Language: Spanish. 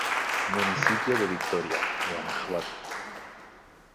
Municipio de Victoria, Guanajuato.